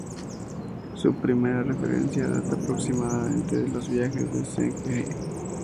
Su primera referencia data aproximadamente de los viajes de Zheng He.